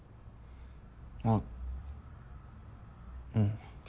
あぁうん。